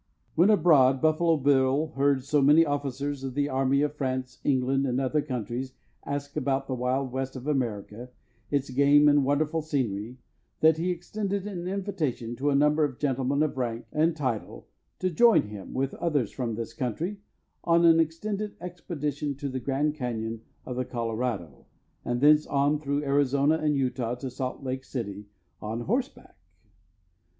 When abroad Buffalo Bill heard so many officers of the army of France, England, and other countries ask about the Wild West of America, its game and wonderful scenery, that he extended an invitation to a number of gentlemen of rank and title to join him, with others from this country, on an extended expedition to the Grand Cañon of the Colorado, and thence on through Arizona and Utah to Salt Lake City on horseback.